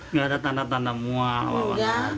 tidak ada tanda tanda mual